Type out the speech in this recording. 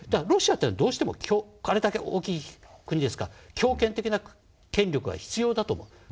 ロシアというのはどうしてもあれだけ大きい国ですから強権的な権力は必要だと思う。